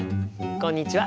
こんにちは。